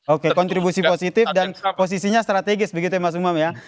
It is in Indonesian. oke kontribusi positif dan posisinya strategis begitu ya mas umam ya